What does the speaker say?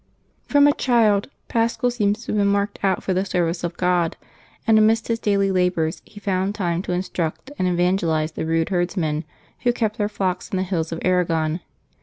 HROM a child Paschal seems to have been marked out for the service of God; and amidst his daily labors he found time to instruct and evangelize the rude herds men who kept their flocks on the hills of Arragon.